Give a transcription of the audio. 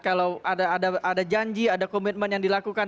kalau ada janji ada komitmen yang dilakukan